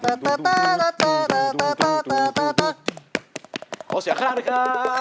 ต้าต้าต้าต้าต้าต้าต้าต้าต้าต้าต้าต้า